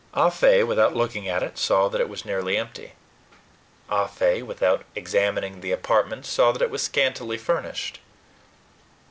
Ah Fe, without looking at it, saw that it was nearly empty. Ah Fe, without examining the apartment, saw that it was scantily furnished.